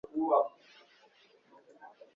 nawe basore amajoro abiri yikurikiranya